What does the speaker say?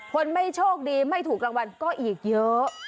คนไม่โชคดีไม่ถูกรางวัลก็อีกเยอะ